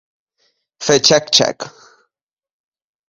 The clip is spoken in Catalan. Fer xec, xec.